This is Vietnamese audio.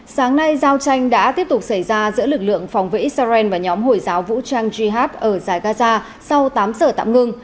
sáng nay giao tranh đã tiếp tục xảy ra giữa lực lượng phòng vệ israel và nhóm hồi giáo vũ trang jihad ở giải gaza sau tám giờ tạm ngưng